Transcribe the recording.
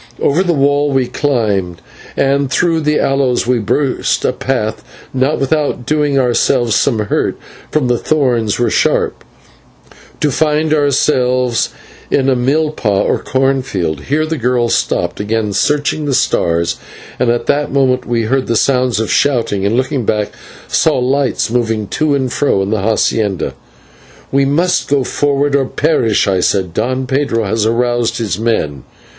Over the wall we climbed, and through the aloes we burst a path, not without doing ourselves some hurt for the thorns were sharp to find ourselves in a /milpa/ or corn field. Here the girl stopped, again searching the stars, and at that moment we heard sounds of shouting, and, looking back, saw lights moving to and fro in the /hacienda/. "We must go forward or perish," I said. "Don Pedro has aroused his men."